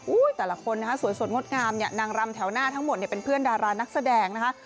แต่ละคนนะคะสวยสดงดงามเนี่ยนางรำแถวหน้าทั้งหมดเนี่ยเป็นเพื่อนดารานักแสดงนะคะ